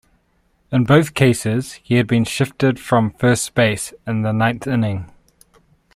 In both cases, he had been shifted from first base in the ninth inning.